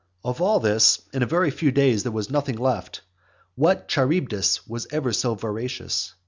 Of all this in a few days there was nothing left. What Charybdis was ever so voracious?